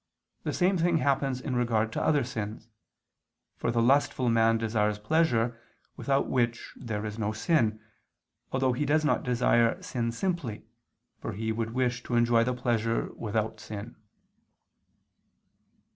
The same thing happens in regard to other sins; for the lustful man desires pleasure, without which there is no sin, although he does not desire sin simply, for he would wish to enjoy the pleasure without sin.